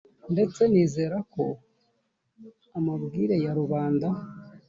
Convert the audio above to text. ndetse nizeye ko amabwire ya rubanda